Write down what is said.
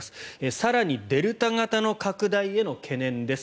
更に、デルタ型の拡大への懸念です。